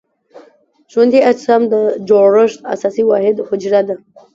ژوندي اجسامو د جوړښت اساسي واحد حجره ده.